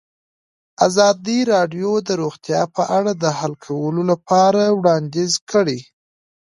ازادي راډیو د روغتیا په اړه د حل کولو لپاره وړاندیزونه کړي.